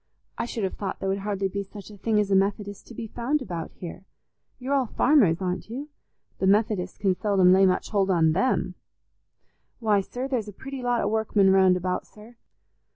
I should have thought there would hardly be such a thing as a Methodist to be found about here. You're all farmers, aren't you? The Methodists can seldom lay much hold on them." "Why, sir, there's a pretty lot o' workmen round about, sir.